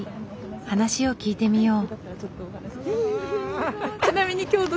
話を聞いてみよう。